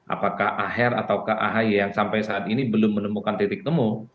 apakah aher atau ke ahi yang sampai saat ini belum menemukan titik temu